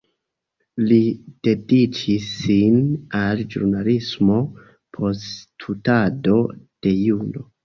Li dediĉis sin al ĵurnalismo post studado de juro.